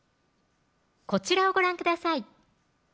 こちらをご覧ください